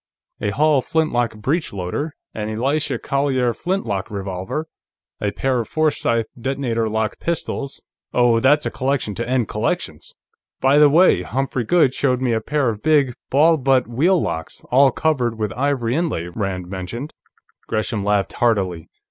A Hall flintlock breech loader; an Elisha Collier flintlock revolver; a pair of Forsythe detonator lock pistols.... Oh, that's a collection to end collections." "By the way, Humphrey Goode showed me a pair of big ball butt wheel locks, all covered with ivory inlay," Rand mentioned. Gresham laughed heartily.